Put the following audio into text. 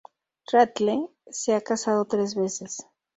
Rattle se ha casado tres veces.